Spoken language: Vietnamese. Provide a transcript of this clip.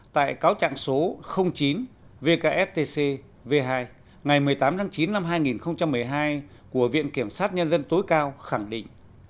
tại cáo trạng số chín vkst v hai ngày một mươi tám tháng chín năm hai nghìn một mươi hai của viện kiểm sát nhân dân tối cao khẳng định